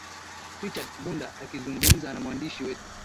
richard mbunda akizungumza na mwandishi wetu